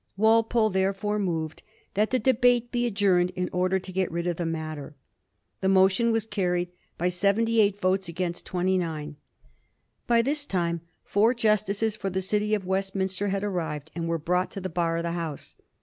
Walpole, therefore, moved that the debate be ad journed, in order to get rid of the matter. The motion was carried by seventy eight voices against twenty nine. By this time four Justices for the City of Westminster had arrived, and were brought to the bar of the House.